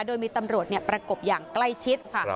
โดยมีตำรวจประกบอย่างใกล้ชิดค่ะ